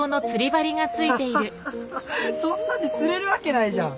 ハハハハそんなんで釣れるわけないじゃん。